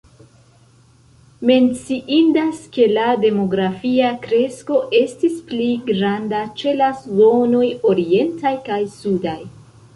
Menciindas ke la demografia kresko estis pli granda ĉe la zonoj orientaj kaj sudaj.